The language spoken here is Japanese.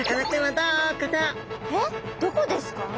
どこですか？